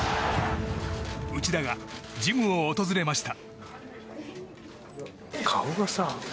内田がジムを訪れました。